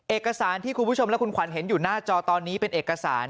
เอกสารที่คุณผู้ชมและคุณขวัญเห็นอยู่หน้าจอตอนนี้เป็นเอกสาร